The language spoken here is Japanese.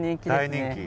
大人気？